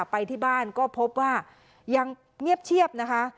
ไปที่บ้านก็พบว่ายังเงียบเชียบนะคะ